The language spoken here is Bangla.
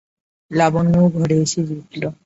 লাবণ্যও ঘরে এসে জুটল।